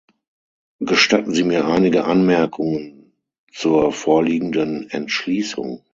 Gestatten Sie mir einige Anmerkungen zur vorliegenden Entschließung.